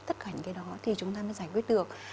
tất cả những cái đó thì chúng ta mới giải quyết được